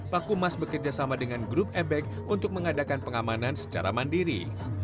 pakumas bekerja sama dengan grup ebek untuk mengadakan pengamanan secara mandiri